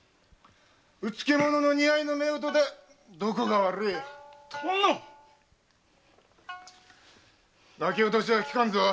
うつけ者の似合いの夫婦でどこが悪い殿泣き落としはきかんぞ。